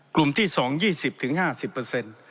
กลุ่มที่๒ยี่สิบถึง๕๐